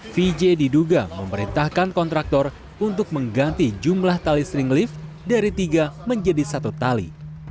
vj diduga memerintahkan kontraktor untuk mengganti jumlah tali string lift dari tiga menjadi satu tali